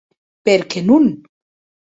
Per qué non?